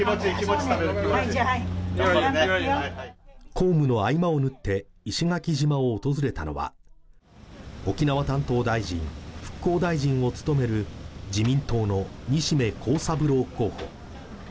公務の合間を縫って石垣島を訪れたのは沖縄担当大臣・復興大臣を務める自民党の西銘恒三郎候補